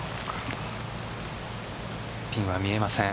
ピンは見えません。